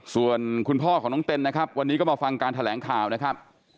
ส่วนคุณพ่อของน้องเต้นนะครับวันนี้ก็มาฟังการแถลงข่าวนะครับ